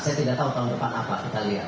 saya tidak tahu tahun depan apa kita lihat